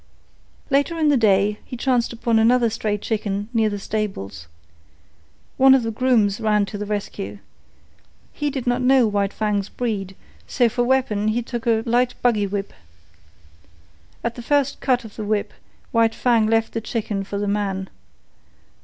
Later in the day, he chanced upon another stray chicken near the stables. One of the grooms ran to the rescue. He did not know White Fang's breed, so for weapon he took a light buggy whip. At the first cut of the whip, White Fang left the chicken for the man.